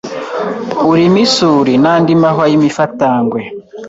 urimo isuri n’andi mahwa y’imifatangwe